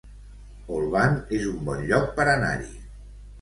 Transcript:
Olvan es un bon lloc per anar-hi